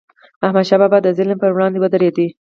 احمدشاه بابا به د ظلم پر وړاندې ودرید.